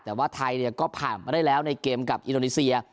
แต่ว่าไทยก็ผ่านมาได้แล้วในเกมกับอินโดนีเซีย